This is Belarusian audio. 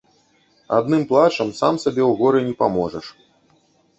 Адным плачам сам сабе ў горы не паможаш.